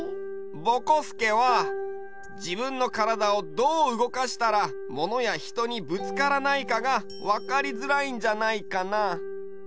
ぼこすけは自分の体をどう動かしたらものやひとにぶつからないかが分かりづらいんじゃないかな。